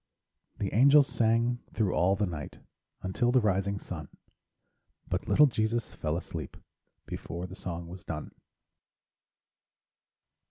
The angels sang thro' all the night Until the rising sun, But little Jesus fell asleep Before the song was done.